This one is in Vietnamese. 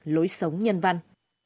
lối sống nhân văn